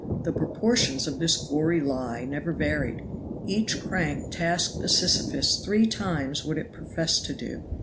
The proportions of this gory lie never varied. Each crank tasked the Sisyphus three times what it professed to do.